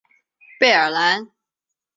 贝尔兰。